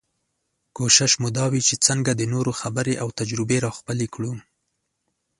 کوشش مو دا وي چې څنګه د نورو خبرې او تجربې راخپلې کړو.